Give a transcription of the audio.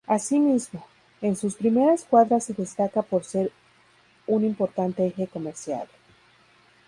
Asimismo, en sus primeras cuadras se destaca por ser un importante eje comercial.